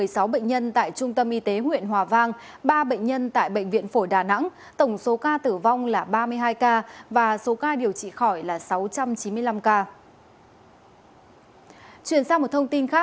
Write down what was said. xin chào và hẹn gặp lại